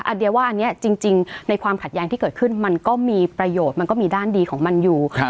เดียว่าอันนี้จริงในความขัดแย้งที่เกิดขึ้นมันก็มีประโยชน์มันก็มีด้านดีของมันอยู่